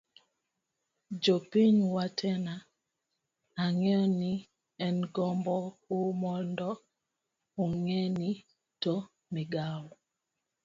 jopiny wetena, ang'eyo ni en gombo u mondo ung'e ni to migawo